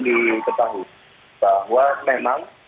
diketahui bahwa memang